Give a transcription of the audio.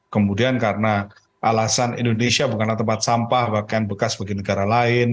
kemudian karena alasan indonesia bukanlah tempat sampah pakaian bekas bagi negara lain